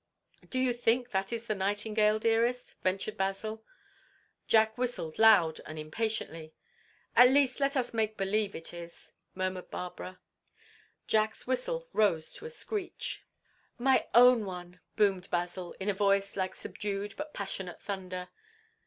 "Do you think that is the nightingale, dearest?" ventured Basil. Jack whistled loud and impatiently. "At least let us make believe it is," murmured Barbara. Jack's whistle rose to a screech. "My own one!" boomed Basil, in a voice like subdued but passionate thunder.